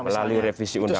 melalui revisi undang undang